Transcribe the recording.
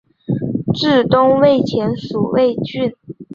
至东魏前属魏郡。